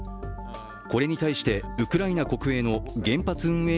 これに対してウクライナ国営の原発運営